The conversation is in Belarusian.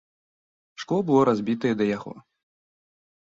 Шкло было разбітае да яго.